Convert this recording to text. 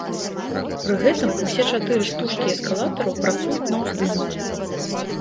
Пры гэтым усе чатыры стужкі эскалатараў працуюць на ўздым.